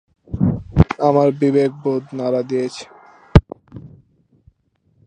আমার বিবেক বোধ নাড়া দিচ্ছে।